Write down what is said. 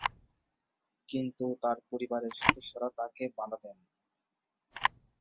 কিন্তু তার পরিবারের সদস্যরা তাকে বাধা দেন।